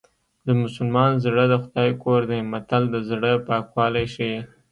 د مسلمان زړه د خدای کور دی متل د زړه پاکوالی ښيي